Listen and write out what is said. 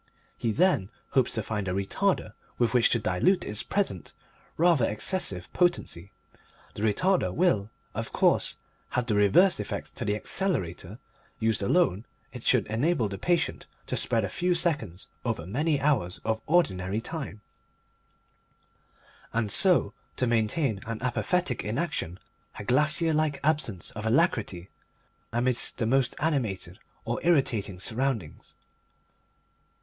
He then hopes to find a Retarder with which to dilute its present rather excessive potency. The Retarder will, of course, have the reverse effect to the Accelerator; used alone it should enable the patient to spread a few seconds over many hours of ordinary time, and so to maintain an apathetic inaction, a glacier like absence of alacrity, amidst the most animated or irritating surroundings.